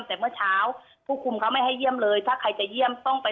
แต่ว่าเขาช่วยเราเต็มที่